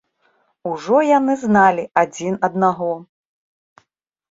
Ужо яны зналі адзін аднаго.